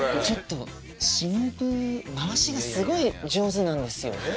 ちょっと忍回しがすごい上手なんですよ。